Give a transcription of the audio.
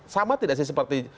sama tidak sih seperti